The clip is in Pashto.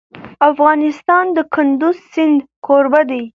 افغانستان د کندز سیند کوربه دی.